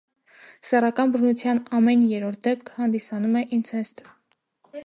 Սեռական բռնության ամեն երրորդ դեպք հանդիսանում է ինցեստ։